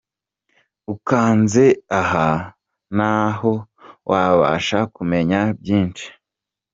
Ukanze aha naho wabasha kumenya byinshi.